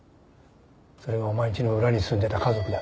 それがお前んちの裏に住んでた家族だ。